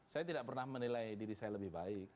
saya tidak pernah menilai diri saya lebih baik